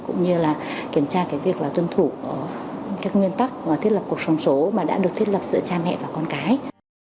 cũng như kiểm tra việc tuân thủ các nguyên tắc thiết lập cuộc sống số mà đã được thiết lập giữa cha mẹ và con cái